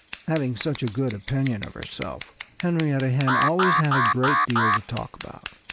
Having such a good opinion of herself, Henrietta Hen always had a great deal to talk about.